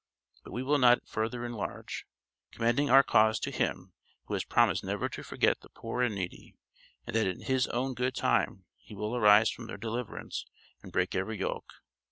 But we will not further enlarge. Commending our cause to Him, who has promised never to forget the poor and needy, and that in His own good time He will arise for their deliverance and "break every yoke."